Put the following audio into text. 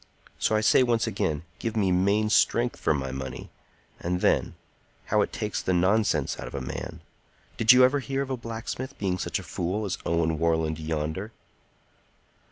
So I say once again, give me main strength for my money. And then, how it takes the nonsense out of a man! Did you ever hear of a blacksmith being such a fool as Owen Warland yonder?"